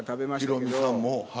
ヒロミさんも。